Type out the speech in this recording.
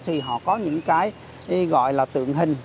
thì họ có những cái gọi là tượng hình